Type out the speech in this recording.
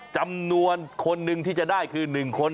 จำนวนคนหนึ่งที่จะได้คือ๑คน